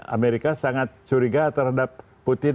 amerika sangat curiga terhadap putin